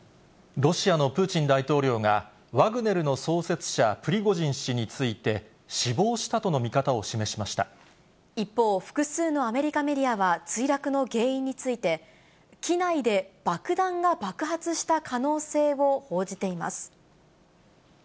ロシアのプーチン大統領が、ワグネルの創設者、プリゴジン氏について、一方、複数のアメリカメディアは墜落の原因について、機内で爆弾が爆発した可能性を報じています。